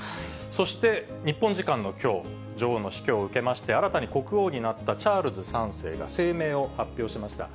そして日本時間のきょう、女王の死去を受けまして新たに国王になったチャールズ３世が声明を発表しました。